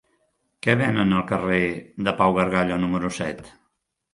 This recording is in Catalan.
Què venen al carrer de Pau Gargallo número set?